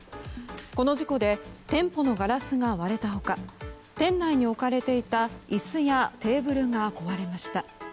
この事故で店舗のガラスが割れた他店内に置かれていた椅子やテーブルが壊れました。